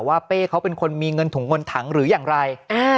เป้เขาเป็นคนมีเงินถุงเงินถังหรืออย่างไร